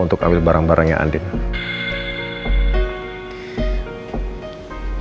untuk ambil barang barangnya andina